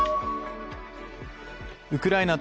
ウクライナ